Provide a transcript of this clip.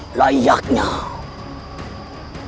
bisa hidup dengan sempurna